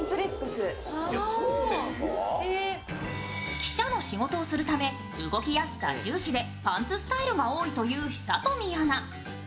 記者の仕事をするため動きやすさ重視でパンツスタイルが多いという久富アナ。